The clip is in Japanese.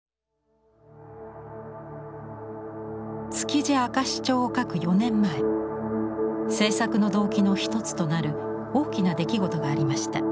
「築地明石町」を描く４年前制作の動機の一つとなる大きな出来事がありました。